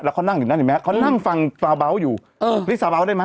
แล้วเขานั่งอยู่นั่นเห็นมั้ยฮะเขานั่งฟังเบาเบาอยู่เออนี่เบาเบาได้มั้ย